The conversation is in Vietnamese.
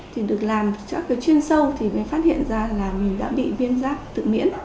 thì được làm các chuyên sâu thì mới phát hiện ra là mình đã bị viêm giáp tự miễn